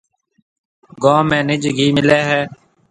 گوم ۾ نج گھِي ملي هيَ۔